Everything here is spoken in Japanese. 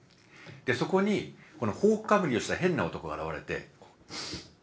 そこに頬かむりをした変な男が現れて。